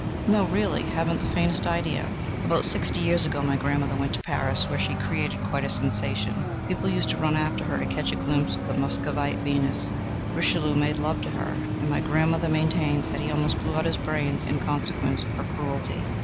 "No, really; haven't the faintest idea." "Oh! then listen. About sixty years ago, my grandmother went to Paris, where she created quite a sensation. People used to run after her to catch a glimpse of the 'Muscovite Venus.' Richelieu made love to her, and my grandmother maintains that he almost blew out his brains in consequence of her cruelty.